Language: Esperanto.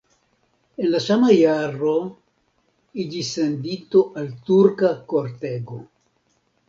En la sama jaro iĝis sendito al turka kortego.